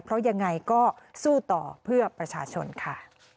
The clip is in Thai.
เพราะยังไงก็สู้ต่อเพื่อประชาชนค่ะ